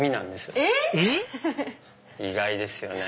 意外ですよね。